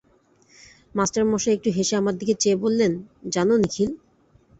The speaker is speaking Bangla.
মাস্টারমশায় একটু হেসে আমার দিকে চেয়ে বললেন, জান নিখিল?